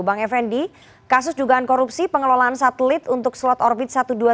bang effendi kasus dugaan korupsi pengelolaan satelit untuk slot orbit satu ratus dua belas